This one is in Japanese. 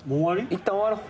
いったん終わろう。